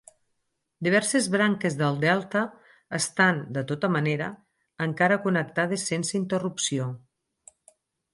Diverses branques del delta estan, de tota manera, encara connectades sense interrupció.